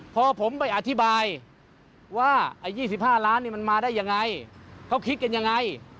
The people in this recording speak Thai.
พอผมไปอธิบายว่าไอ้๒๕ล้านมันมาได้ยังไงเขาคิดกันยังไง